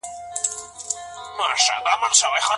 د مار چیچلو درملنه چيري کیږي؟